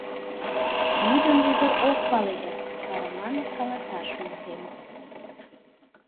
Тидым ӱдыр ок пале дыр, а Раман каласаш монден.